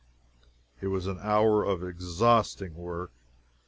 It was an hour of exhausting work.